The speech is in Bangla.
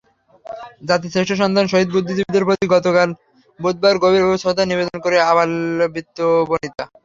জাতির শ্রেষ্ঠ সন্তান শহীদ বুদ্ধিজীবীদের প্রতি গতকাল বুধবার গভীর শ্রদ্ধা নিবেদন করেছে আবালবৃদ্ধবনিতা।